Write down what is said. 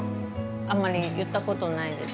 あんまり言ったことないです。